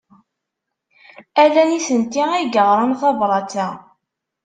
Ala nitenti ay yeɣran tabṛat-a.